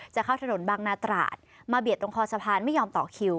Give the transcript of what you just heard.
จะเข้าถนนบางนาตราดมาเบียดตรงคอสะพานไม่ยอมต่อคิว